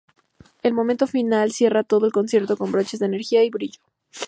El movimiento final cierra todo el concierto con broches de energía y brillo.